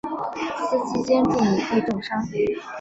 司机兼助理亦重伤。